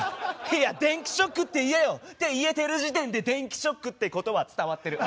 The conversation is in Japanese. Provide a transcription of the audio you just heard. いや電気ショックって言えよ！って言えてる時点で電気ショックってことは伝わってる。